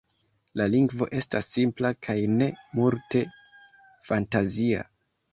La lingvo estas simpla kaj ne multe fantazia.